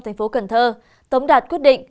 thành phố cần thơ tống đạt quyết định